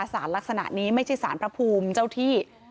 สารลักษณะนี้ไม่ใช่สารพระภูมิเจ้าที่